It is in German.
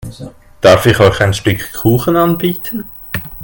Darf ich euch ein Stück Kuchen anbieten?